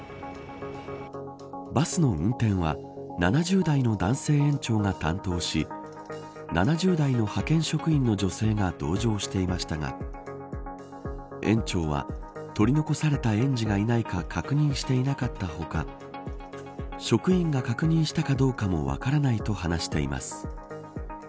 バスの運転は７０代の男性園長が担当し７０代の派遣職員の女性が同乗していましたが園長は取り残された園児がいないか確認していなかったほか職員が確認したかどうかも分からないと話しています。